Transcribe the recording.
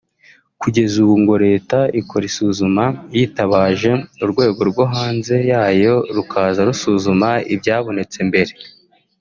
Kugeza ubu ngo Leta ikora isuzuma yitabaje urwego rwo hanze yayo rukaza rusuzuma ibyabonetse mbere